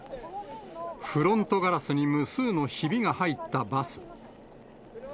フロントガラスに無数のひびが入ったバス。